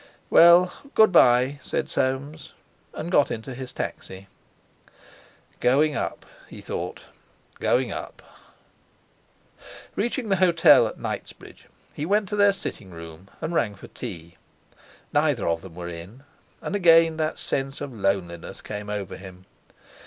"Well, good bye!" said Soames, and got into his taxi. 'Going up!' he thought; 'going up!' Reaching the hotel at Knightsbridge he went to their sitting room, and rang for tea. Neither of them were in. And again that sense of loneliness came over him.